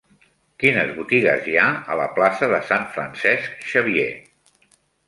Quines botigues hi ha a la plaça de Sant Francesc Xavier?